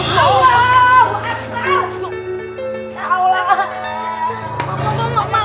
sakat tuh gua